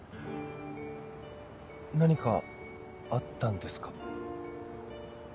何かあったんですか？